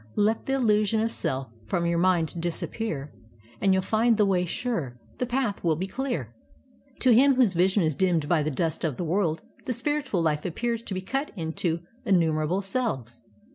Let th' illusion of self From your mind disappear, And you'll find the way sure; The path will be clear.' "To him whose vision is dimmed by the dust of the world, the spiritual Hfe appears to be cut up into innu merable selves.